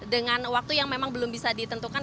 dengan waktu yang memang belum bisa ditentukan